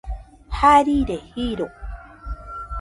Jarire jiro.